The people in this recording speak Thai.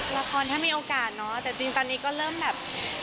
ละครถ้ามีโอกาสเนอะแต่จริงตอนนี้ก็เริ่มแบบ